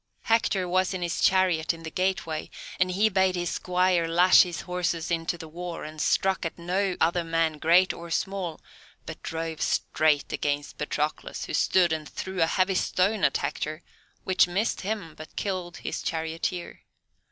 Hector was in his chariot in the gateway, and he bade his squire lash his horses into the war, and struck at no other man, great or small, but drove straight against Patroclus, who stood and threw a heavy stone at Hector; which missed him, but killed his charioteer.